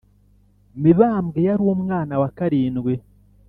mibambwe yarumwana wa karindwi